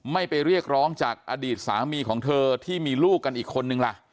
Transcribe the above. ไม่ไปเรียกร้องจากอดีตสามีของเธอที่มีลูกกันอีกคนนึงล่ะ